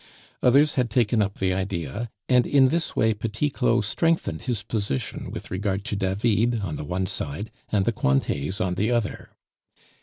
Others had taken up the idea, and in this way Petit Claud strengthened his position with regard to David on the one side and the Cointets on the other.